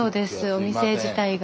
お店自体が。